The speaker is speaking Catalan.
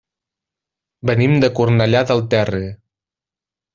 Venim de Cornellà del Terri.